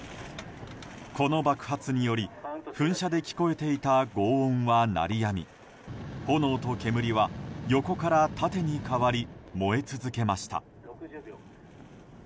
この爆発により、噴射で聞こえていた轟音は鳴りやみ炎と煙は横から縦に変わり燃え続けました。